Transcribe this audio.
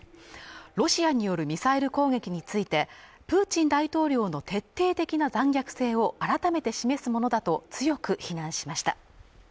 ロシアによるミサイル攻撃についてプーチン大統領の徹底的な残虐性を改めて示すものだと強く非難しました